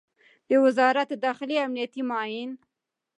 د وزارت داخلې امنیتي معین